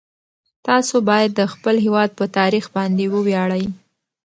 تاسو باید د خپل هیواد په تاریخ باندې وویاړئ.